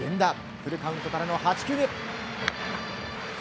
フルカウントからの８球目。